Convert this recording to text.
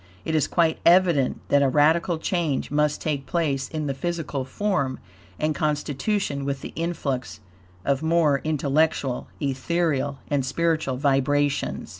It is quite evident that a radical change must take place in the physical form and constitution with the influx of more intellectual, ethereal and spiritual vibrations.